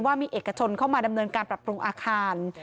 ว่ามีเอกชนเข้ามาดำเนินการปรับปรุงอาคาร